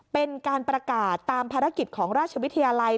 เป็นการประกาศตามภารกิจของราชวิทยาลัย